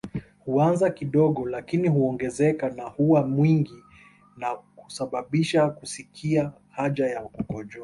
Huanza kidogo lakini huongezeka na huwa mwingi na kusababisha kusikia haja ya kukojoa